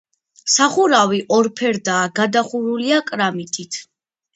სახურავი ორფერდაა, გადახურულია კრამიტით.